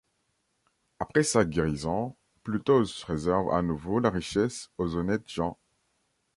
Après sa guérison, Ploutos réserve à nouveau la richesse aux honnêtes gens.